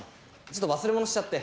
ちょっと忘れ物しちゃって。